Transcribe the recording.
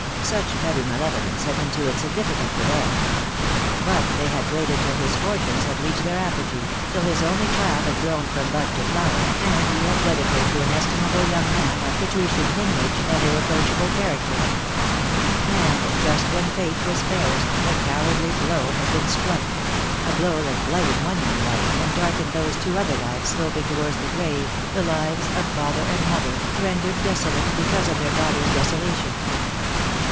Such petty malevolence had been too insignificant for them. But they had waited till his fortunes had reached their apogee, till his only child had grown from bud to flower and he had wedded her to an estimable young man of patrician lineage and irreproachable character. And, just when fate was fairest the cowardly blow had been struck — a blow that blighted one young life, and darkened those two other lives sloping towards the grave, the lives of father and mother, rendered desolate because of their daughter's desolation.